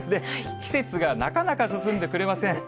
季節がなかなか進んでくれません。